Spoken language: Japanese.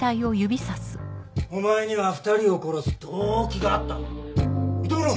お前には２人を殺す動機があった認めろ！